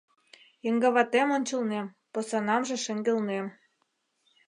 Еҥгаватем ончылнем, посанамже шеҥгелнем